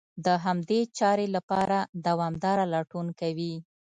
د همدې چارې لپاره دوامداره لټون کوي.